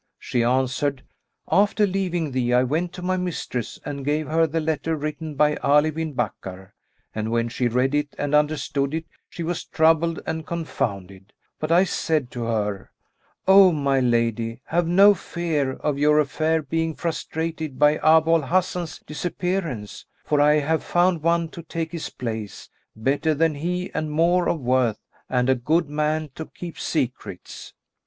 She answered, "After leaving thee I went to my mistress and gave her the letter written by Ali bin Bakkar; and, when she read it and understood it, she was troubled and confounded; but I said to her, 'O my lady, have no fear of your affair being frustrated by Abu al Hasan's disappearance, for I have found one to take his place, better than he and more of worth and a good man to keep secrets.'